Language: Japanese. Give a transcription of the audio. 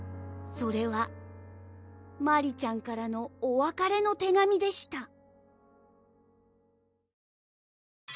それはマリちゃんからのおわかれの手紙でした